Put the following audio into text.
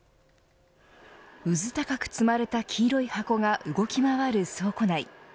うず高く積まれた黄色い箱が動き回る倉庫内。